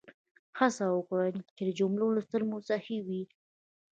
هڅه وکړئ چې د جملو لوستل مو صحیح وي.